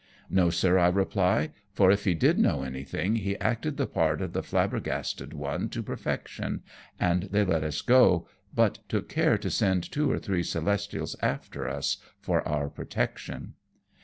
" No, sir," I reply, " for if he did know anything, he acted the part of the flabergasted one to perfection, and they let us go, hut took care to send two or three Celestials after us for our protection."